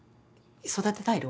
「育てたいろ？」